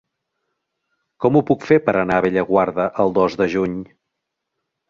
Com ho puc fer per anar a Bellaguarda el dos de juny?